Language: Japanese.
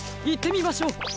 いってみましょう！